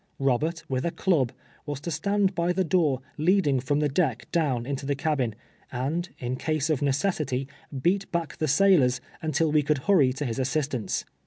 Robert, with a club, was to stand by the door leading from the deck down into the cabin, and, in case of necessity, beat l)ack the sailors, until we could liurry to his assistance.